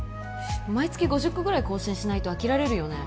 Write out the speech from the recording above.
毎月５０個ぐらい更新しないと飽きられるよね